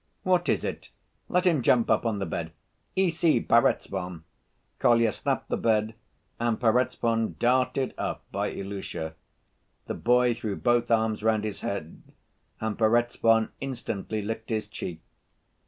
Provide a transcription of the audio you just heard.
"What is it? Let him jump up on the bed! Ici, Perezvon!" Kolya slapped the bed and Perezvon darted up by Ilusha. The boy threw both arms round his head and Perezvon instantly licked his cheek.